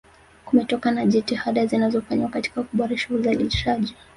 kumetokana na jitihada zinazofanyika katika kuboresha uzalishaji